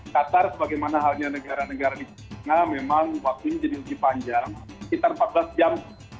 qatar bagaimana halnya negara negara di sana memang waktu ini jadi lebih panjang sekitar empat belas jam